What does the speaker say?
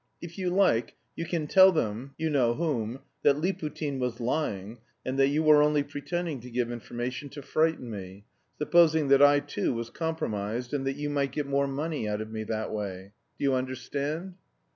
"If you like, you can tell them, you know whom, that Liputin was lying, and that you were only pretending to give information to frighten me, supposing that I, too, was compromised, and that you might get more money out of me that way.... Do you understand?"